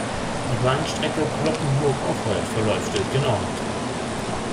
Die Bahnstrecke Cloppenburg–Ocholt verläuft durch den Ort.